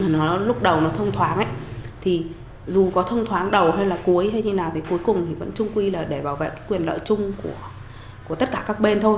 lúc đầu nó thông thoáng thì dù có thông thoáng đầu hay là cuối hay như nào thì cuối cùng thì vẫn trung quy là để bảo vệ quyền lợi chung của tất cả các bên thôi